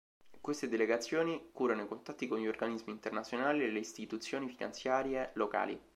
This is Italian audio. Queste delegazioni curano i contatti con gli organismi internazionali e le istituzioni finanziarie locali.